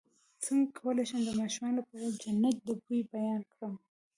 څنګه کولی شم د ماشومانو لپاره د جنت د بوی بیان کړم